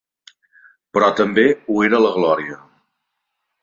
Però també ho era la Gloria.